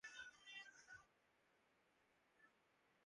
کبھی ہر گھڑی عذاب ہے